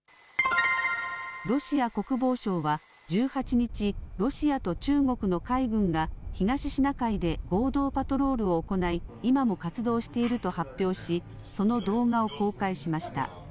ロシア国防省は１８日、ロシアと中国の海軍が東シナ海で合同パトロールを行い、今も活動していると発表し、その動画を公開しました。